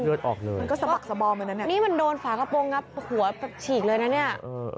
มันก็สะบอกสะบอมเลยนะเนี่ยนี่มันโดนฝากระโปรงงับหัวฉีกเลยนะเนี่ย